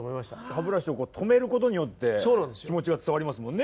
歯ブラシをこう止めることによって気持ちが伝わりますもんね。